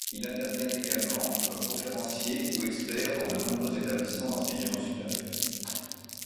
Il intervient également comme conférencier ou expert dans de nombreux établissements d'enseignement supérieur.